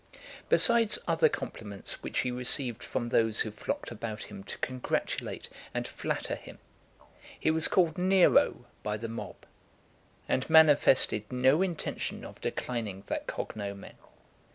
Besides other compliments which he received from those who flocked about him to congratulate and flatter him, he was called Nero by the mob, and manifested no intention of declining that cognomen.